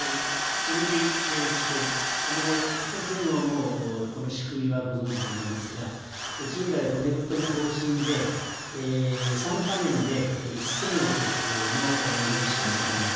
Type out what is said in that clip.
先生ももう、この仕組みはご存じと思いますが、従来、骨太の方針で、３か年で１０００億の伸びしか認めない。